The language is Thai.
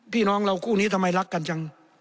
พี่น้องเราคู่นี้ทำไมรักกันจัง